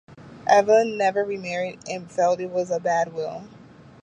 Evelyn never re-married and felt it was a "bad will".